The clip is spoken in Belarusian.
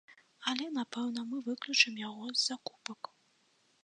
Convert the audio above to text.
Але, напэўна, мы выключым яго з закупак.